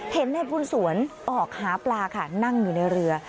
เห็นนายบุญสวนออกหาปลาค่ะนั่งอยู่ในเรือ